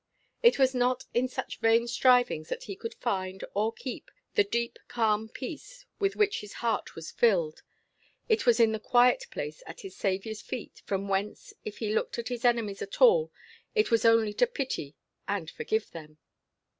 It was not in such vain strivings that he could find, or keep, the deep calm peace with which his heart was filled; it was in the quiet place at his Saviour's feet, from whence, if he looked at his enemies at all, it was only to pity and forgive them.